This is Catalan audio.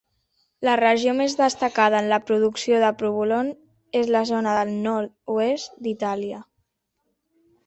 La regió més destacada en la producció de provolone és la zona del nord-oest d'Itàlia.